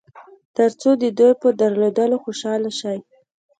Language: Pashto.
تر څو د دوی په درلودلو خوشاله شئ.